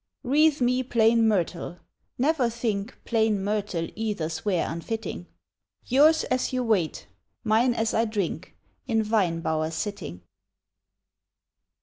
Wreath me plain myrtle; never think Plain myrtle either's wear unfitting, Yours as you wait, mine as I drink In vine bower sitting.